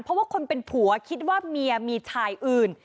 เพราะว่าคนเป็นผัวคิดว่าเมียมีชายอื่น